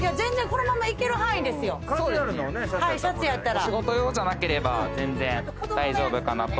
お仕事用じゃなければ全然大丈夫かなと。